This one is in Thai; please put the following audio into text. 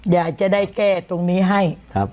อยากจะได้แก้ตรงนี้ให้